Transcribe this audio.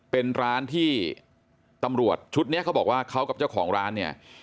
เป็นร้านที่ตำรวจชุดนี้เขาบอกว่าเขากับเจ้าของร้านเนี่ย